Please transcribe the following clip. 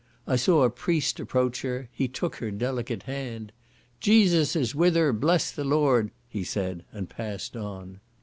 I saw a priest approach her, he took her delicate hand, "Jesus is with her! Bless the Lord!" he said, and passed on.